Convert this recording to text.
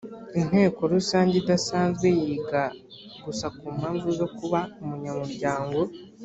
inteko rusange idasanzwe yiga gusa ku mpamvu zo kuba umunyamuryango